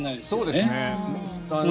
そうですね。